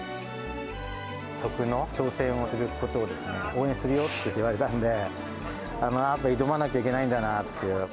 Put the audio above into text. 食の挑戦をすることを応援するよって言われたんで、何か挑まなきゃいけないんだなって。